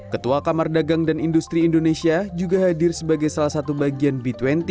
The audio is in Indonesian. ketua kamar dagang dan industri indonesia juga hadir sebagai salah satu bagian b dua puluh